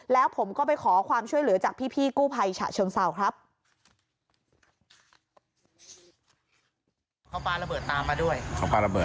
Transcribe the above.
แล้วผมก็ไปขอความช่วยเหลือจากพี่กู้ภัยฉะเชิงเศร้าครับ